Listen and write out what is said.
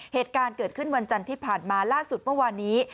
เหตุการณ์เกิดขึ้นวันจันทร์ที่ผ่านมาล่าสุดเมื่อวานนี้